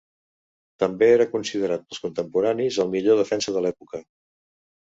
També era considerat pels contemporanis el millor defensa de l'època.